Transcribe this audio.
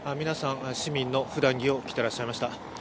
皆さん、市民のふだん着を着てらっしゃいました。